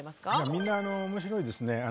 みんな面白いですね。